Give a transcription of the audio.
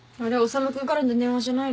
修君からの電話じゃないの？